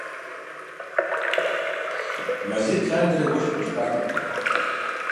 Мазитӏ лъандэрэ уэшх къешхатэкъым.